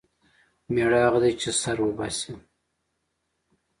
مېړه هغه دی چې سر وباسي.